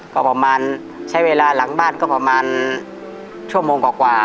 ก็ประมาณใช้เวลาหลังบ้านก็ประมาณชั่วโมงกว่า